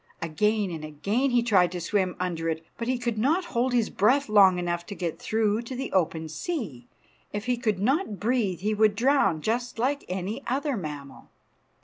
Again and again he tried to swim under it, but he could not hold his breath long enough to get through to the open sea. If he could not breathe he would drown, just like any other mammal.